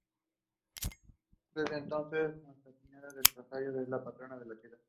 Desde entonces, Nuestra Señora del Rosario es la patrona de la Ciudad.